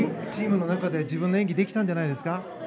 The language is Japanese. チームの中では自分の演技ができたんじゃないですか。